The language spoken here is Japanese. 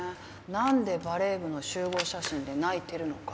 なんでバレー部の集合写真で泣いてるのか。